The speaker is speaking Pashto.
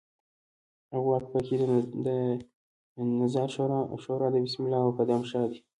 او واک په کې د نظار شورا د بسم الله او قدم شاه دی.